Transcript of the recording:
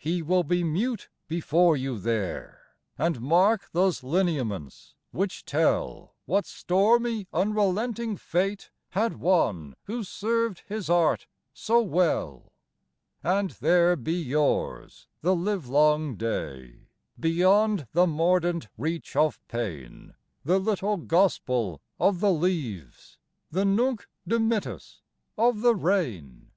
He will be mute before you there, And mark those lineaments which tell What stormy unrelenting fate Had one who served his art so well. And there be yours, the livelong day, Beyond the mordant reach of pain, The little gospel of the leaves, The Nunc dimittis of the rain!